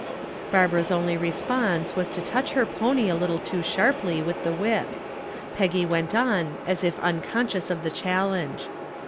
Barbara's only response was to touch her pony a little too sharply with the whip. Peggy went on as if unconscious of the challenge.